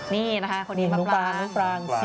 นี่นะคะคนที่มาปลาง